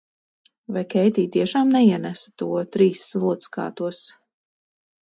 "Vai Keitija tiešām neienesa to "Trīs slotaskātos"?"